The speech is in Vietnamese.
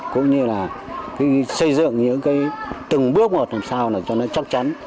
cũng như là xây dựng những cái từng bước một làm sao để cho nó chắc chắn